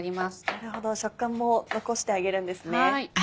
なるほど食感も残してあげるんですね。